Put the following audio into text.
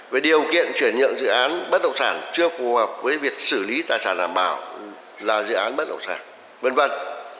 với điều kiện chuyển nhượng dự án bất động sản chưa phù hợp với việc xử lý tài sản